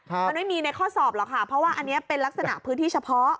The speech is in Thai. มันไม่มีในข้อสอบหรอกค่ะเพราะว่าอันนี้เป็นลักษณะพื้นที่เฉพาะ